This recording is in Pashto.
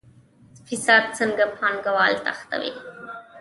فساد څنګه پانګوال تښتوي؟